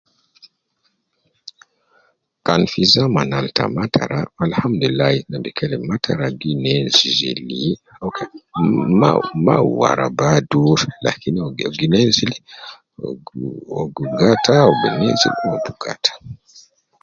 Kan fi zaman al ta matara alhamdulillahi ne bi kelem matara gi nenzil, ok ma ma warabadu, lakin uwo gi gi nenzil, wu gi wu gi gata, uwo gi nenzil, uwo gi gata